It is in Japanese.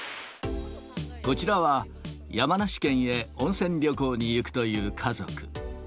こちらは、山梨県へ温泉旅行に行くという家族。